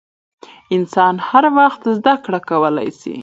انسان هر وخت زدکړه کولای سي .